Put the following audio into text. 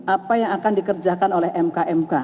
apa yang akan dikerjakan oleh mkmk